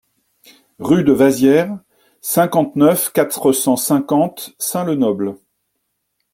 Rue de Waziers, cinquante-neuf, quatre cent cinquante Sin-le-Noble